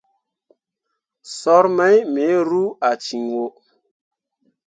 Soor mai me ru a ciŋwo.